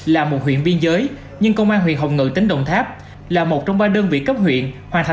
là một huyện biên giới nhưng công an huyện hồng ngự tỉnh đồng tháp là một trong ba đơn vị cấp huyện hoàn thành